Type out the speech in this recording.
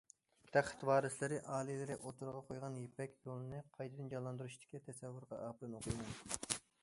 تەخت ۋارىسى ئالىيلىرى ئوتتۇرىغا قويغان« يىپەك يولىنى قايتىدىن جانلاندۇرۇش» تىكى تەسەۋۋۇرغا ئاپىرىن ئوقۇيمەن.